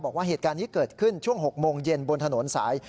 บอกว่าเหตุการณ์นี้เกิดขึ้นช่วง๖โมงเย็นบนถนนสาย